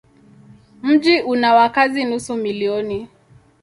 Mji una wakazi nusu milioni.